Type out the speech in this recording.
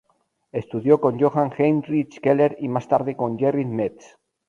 Estudió con Johann Heinrich Keller y más tarde con Gerrit Mets.